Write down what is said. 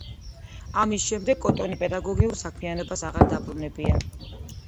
ამის შემდეგ კოტონი პედაგოგიურ საქმიანობას აღარ დაბრუნებია.